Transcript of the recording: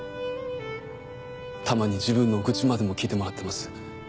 たまに自分の愚痴までも聞いてもらってます。